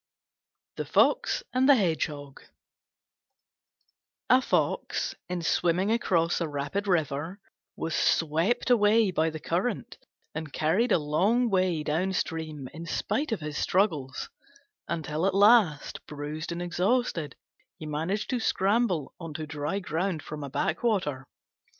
THE FOX AND THE HEDGEHOG A Fox, in swimming across a rapid river, was swept away by the current and carried a long way downstream in spite of his struggles, until at last, bruised and exhausted, he managed to scramble on to dry ground from a backwater.